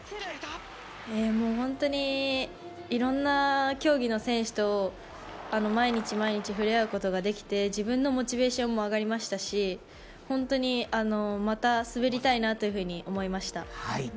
本当にいろいろな競技の選手と毎日毎日触れ合うことができて自分のモチベーションも上がりましたし本当に、また滑りたいなというふうに思いました。